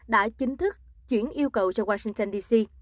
đã chính thức chuyển yêu cầu cho washington dc